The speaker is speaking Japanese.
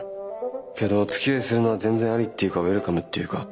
けどおつきあいするのは全然ありっていうかウエルカムっていうか。